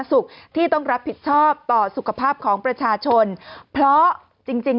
สุขที่ต้องรับผิดชอบต่อสุขภาพของประชาชนเพราะจริงจริง